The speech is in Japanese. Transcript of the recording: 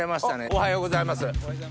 おはようございます。